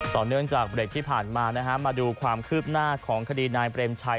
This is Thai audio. ต่อเนื่องจากเบรกที่ผ่านมานะฮะมาดูความคืบหน้าของคดีนายเปรมชัย